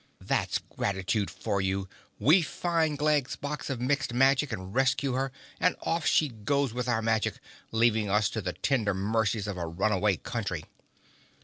"That's gratitude for you! We find Glegg's box of Mixed Magic and rescue her, and off she goes with all our magic, leaving us to the tender mercies of a Runaway Country!"